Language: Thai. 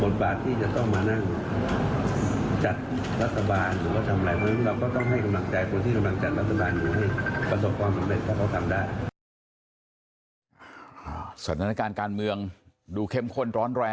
บทบาทที่จะต้องมานั่งจัดรัฐบาลหรือว่าทำอะไร